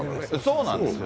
そうなんですよ。